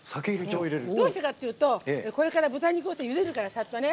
どうしてかっていうとこれから豚肉をゆでるから、サッとね。